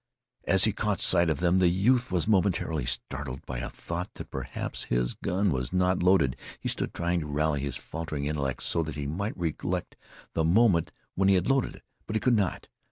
As he caught sight of them the youth was momentarily startled by a thought that perhaps his gun was not loaded. He stood trying to rally his faltering intellect so that he might recollect the moment when he had loaded, but he could not.